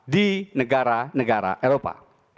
di negara negara eropa